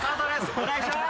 お願いします。